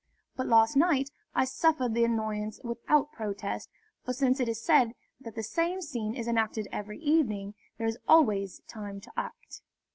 But last night I suffered the annoyance without protest, for since it is said that the same scene is enacted every evening, there is always time to act."